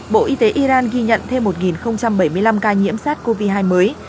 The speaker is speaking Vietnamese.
bộ y tế iran ghi nhận thêm một bảy mươi năm ca nhiễm sars cov hai mới